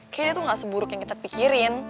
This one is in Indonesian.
kayaknya dia tuh ga seburuk yang kita pikirin